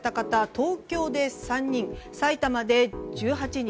東京で３人埼玉で１８人